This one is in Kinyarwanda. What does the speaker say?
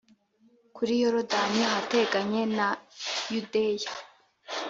kuri Yorodani ahateganye ni yudeya